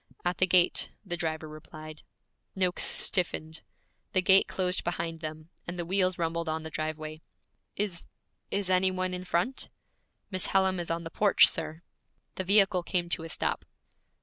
'At the gate,' the driver replied. Noakes stiffened. The gate closed behind them, and the wheels rumbled on the driveway. 'Is is any one in front?' 'Miss Hallam is on the porch, sir.' The vehicle came to a stop.